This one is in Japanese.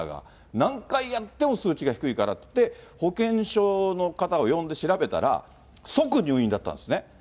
何回やっても数値が低いからっていって、保健所の方を呼んで調べたら、即入院だったんですね。